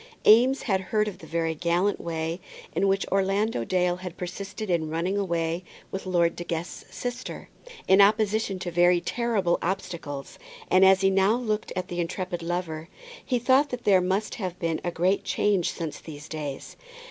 Eames had heard of the very gallant way in which Orlando Dale had persisted in running away with Lord De Guest's sister, in opposition to very terrible obstacles, and as he now looked at the intrepid lover, he thought that there must have been a great change since those days.